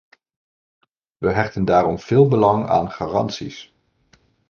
We hechten daarom veel belang aan garanties.